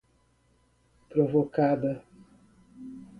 provocada